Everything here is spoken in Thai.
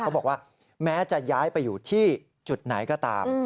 บอกว่าแม้จะย้ายไปอยู่ที่จุดไหนก็ตาม